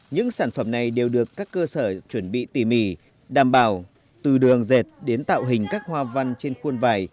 những sản phẩm này đều được các cơ sở chuẩn bị tỉ mỉ đảm bảo từ đường dệt đến tạo hình các hoa văn trên khuôn vải